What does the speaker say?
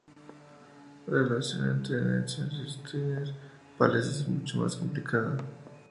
La relación entre Nietzsche y Stirner parece ser mucho más complicada.